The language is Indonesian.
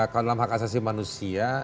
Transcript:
kalau dalam hak asasi manusia